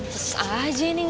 gak ada siapa ada yang nge faces